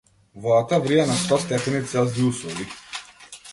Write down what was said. Водата врие на сто степени целзиусови.